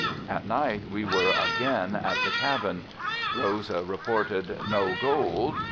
At night we were again at the cabin. Rosa reported "No gold."